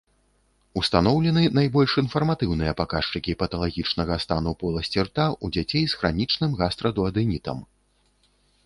Устаноўлены найбольш інфарматыўныя паказчыкі паталагічнага стану поласці рота ў дзяцей з хранічным гастрадуадэнітам.